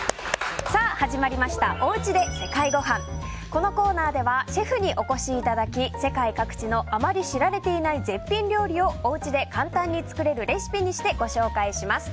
このコーナーではシェフにお越しいただき世界各地のあまり知られていない絶品料理をお家で簡単に作れるレシピにしてご紹介します。